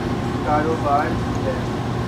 کاروبار بھی ہے۔